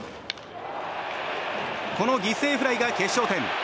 この犠牲フライが決勝点。